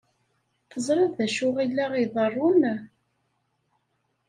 Teẓriḍ d acu i la iḍerrun?